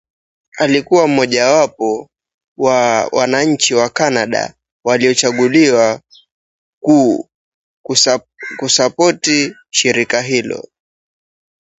He was also one of only two Canadiens elected who supported the union.